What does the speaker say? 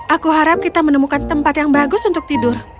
aku harap kita menemukan tempat yang bagus untuk tidur